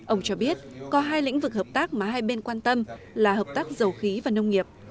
ông cho biết có hai lĩnh vực hợp tác mà hai bên quan tâm là hợp tác dầu khí và nông nghiệp